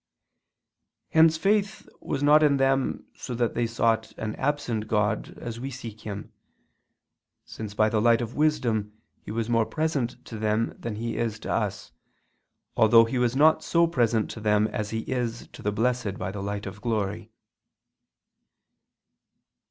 Hence faith was not in them so that they sought an absent God as we seek Him: since by the light of wisdom He was more present to them than He is to us, although He was not so present to them as He is to the Blessed by the light of glory.